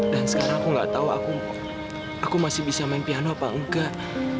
dan sekarang aku gak tahu aku masih bisa main piano apa enggak